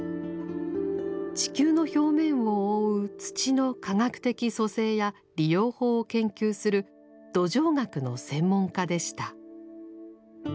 地球の表面を覆う土の科学的組成や利用法を研究する土壌学の専門家でした。